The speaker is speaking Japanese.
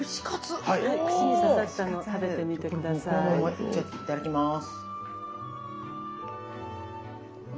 いただきます。